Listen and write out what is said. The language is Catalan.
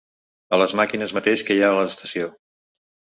A les màquines mateix que hi ha a l'estació.